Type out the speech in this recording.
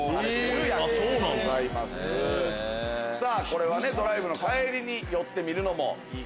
これはドライブの帰りに寄ってみるのもいいかも。